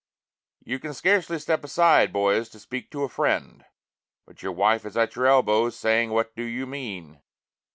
You can scarcely step aside, boys, to speak to a friend But your wife is at your elbow saying what do you mean.